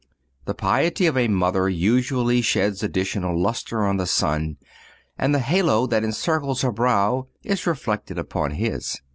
The piety of a mother usually sheds additional lustre on the son, and the halo that encircles her brow is reflected upon his.